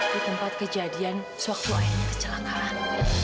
di tempat kejadian sewaktu akhirnya kecelakaan